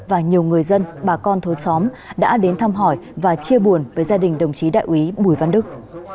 và nhiều người dân bà con thối xóm đã đến thăm hỏi và chia buồn với gia đình đồng chí đại quý bùi văn đức